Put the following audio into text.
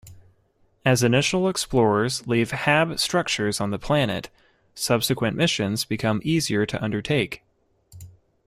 As initial explorers leave hab-structures on the planet, subsequent missions become easier to undertake.